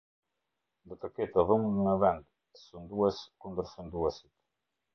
Do të ketë dhunë në vend, sundues kundër sunduesit.